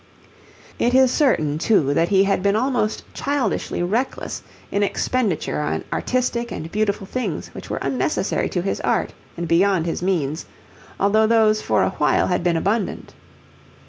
It is certain, too, that he had been almost childishly reckless in expenditure on artistic and beautiful things which were unnecessary to his art and beyond his means, although those for a while had been abundant.